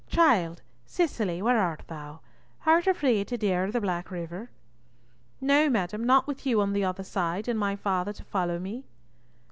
Child, Cicely, where art thou? Art afraid to dare the black river?" "No, madam, not with you on the other side, and my father to follow me."